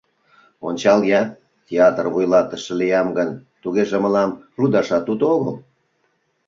— Ончал-я, театр вуйлатыше лиям гын, тугеже мылам лудашат уто огыл.